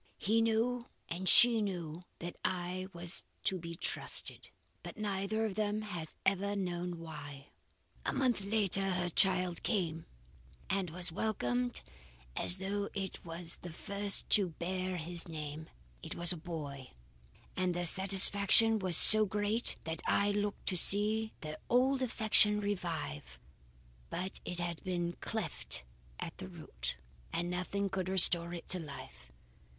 He knew and she knew that I was to be trusted; but neither of them has ever known why. A month later her child came, and was welcomed as though it were the first to bear his name. It was a boy, and their satisfaction was so great that I looked to see their old affection revive. But it had been cleft at the root, and nothing could restore it to life.